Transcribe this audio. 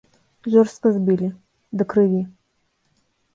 Жорстка збілі, да крыві.